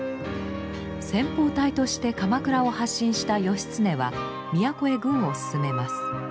先ぽう隊として鎌倉を発進した義経は都へ軍を進めます。